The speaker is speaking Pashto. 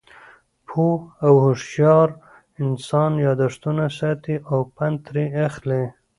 پوه او هوشیار انسان، یاداښتونه ساتي او پند ترې اخلي.